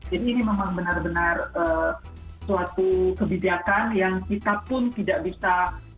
jadi ini memang benar benar suatu kebijakan yang kita pun tidak bisa